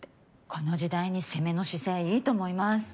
この時代に攻めの姿勢いいと思います。